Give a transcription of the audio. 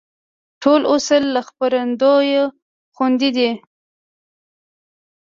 ټول اصول له خپرندوى خوندي دي.